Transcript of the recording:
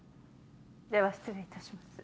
では失礼いたします。